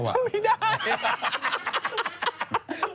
ทำไม่ได้